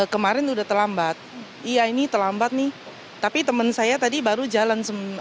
kemarin udah terlambat iya ini terlambat nih tapi temen saya tadi baru jalan delapan ratus empat puluh satu